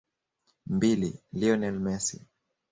MbiliLionel Messi